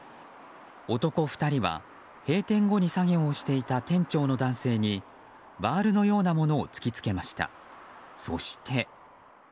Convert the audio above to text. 男２人は閉店後に作業をしていた店長の男性にバールのようなものを突き付けました。